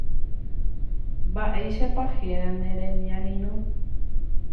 Mba'éichapa héra ne remiarirõ.